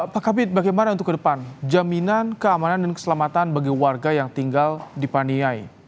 pak kabit bagaimana untuk ke depan jaminan keamanan dan keselamatan bagi warga yang tinggal di paniai